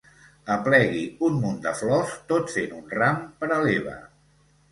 Aplegui un munt de flors tot fent un ram per a l'Eva.